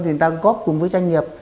thì người ta góp cùng với doanh nghiệp